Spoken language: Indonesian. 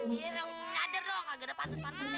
gak ada dong gak ada pantus pantusnya